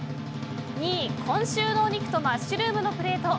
２位、今週のお肉とマッシュルームのプレート。